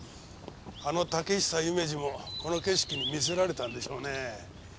あの竹久夢二もこの景色に魅せられたんでしょうね。